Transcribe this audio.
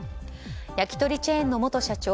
焼き鳥チェーンの元社長